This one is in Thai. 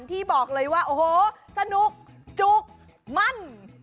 ที่บอกเลยว่าโอ้โหสนุกจุกมัน